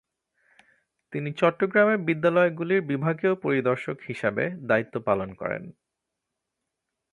তিনি চট্টগ্রামের বিদ্যালয়গুলির বিভাগীয় পরিদর্শক হিসাবে দায়িত্ব পালন করেন।